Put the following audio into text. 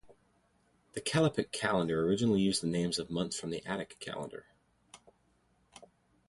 The Callippic calendar originally used the names of months from the Attic calendar.